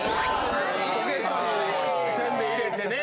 ポケットにせんべい入れてね。